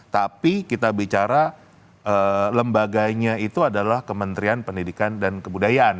tapi kita bicara lembaganya itu adalah kementerian pendidikan dan kebudayaan